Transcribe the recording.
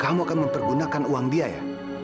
kamu akan mempergunakan uang biaya